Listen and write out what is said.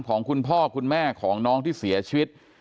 ของคุณพ่อคุณแม่ของน้องที่เสียชีวิต